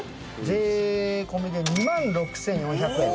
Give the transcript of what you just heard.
税込みで２万６，４００円。